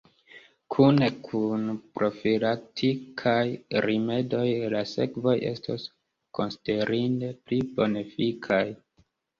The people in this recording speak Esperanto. Kune kun profilaktikaj rimedoj la sekvoj estos konsiderinde pli bonefikaj.